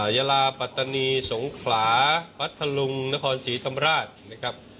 ยาลาปัตตานีสงขลาพัทธลุงนครศรีธรรมราชนะครับ